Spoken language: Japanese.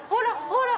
ほら！